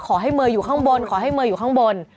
ขอให้เมย์อยู่ข้างบนขอให้เมย์อยู่ข้างบน